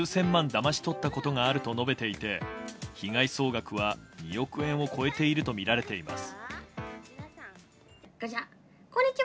だまし取ったことがあると述べていて被害総額は２億円を超えているとみられています。